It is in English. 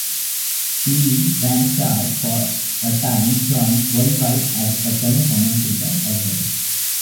Tully Blanchard for a time joined "World Wide" as a color commentator as well.